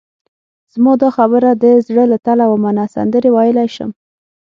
زما دا خبره د زړه له تله ومنه، سندرې ویلای شم.